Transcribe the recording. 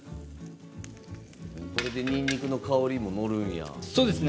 これでにんにくの香りものるんや。